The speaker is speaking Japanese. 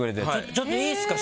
ちょっといいですか？